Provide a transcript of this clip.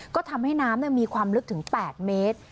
ก็ทำให้น้ำมีความลึกถึง๘เมตร